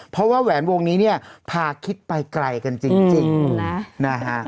เพราะว่าแหวนวงนี้เนี่ยพาคิดไปไกลกันจริงนะฮะ